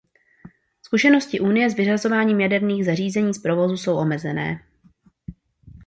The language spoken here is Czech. Zkušenosti Unie s vyřazováním jaderných zařízení z provozu jsou omezené.